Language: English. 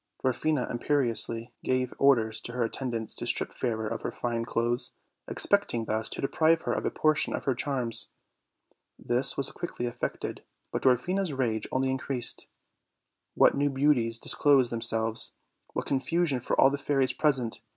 Dwarfina imperiously gave orders to her attendants to strip Fairer of her fine clothes, expecting thus to deprive her of a portion of her charms. This was quickly effected, but Dwarfina's rage only increased. What new beauties disclosed themselves! what confusion for all the fairies present!